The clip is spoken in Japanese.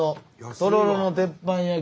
とろろ鉄板焼き。